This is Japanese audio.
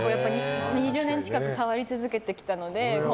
２０年近く触り続けてきたので。